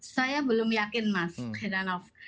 saya belum yakin mas heranov